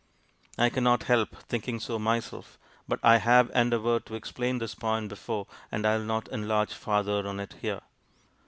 I cannot help thinking so myself; but I have endeavoured to explain this point before, and will not enlarge farther on it here.